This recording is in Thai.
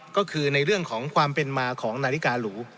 ก็คือในเรื่องของความเป็นมาของนาฬิกาหรู